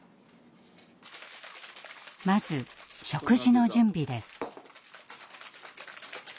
まず食事の準備です。